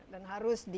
dan harus di